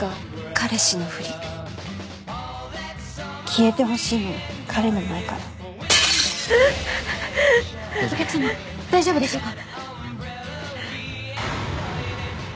彼氏のふり消えてほしいの彼の前からお客さま大丈夫でしょうか？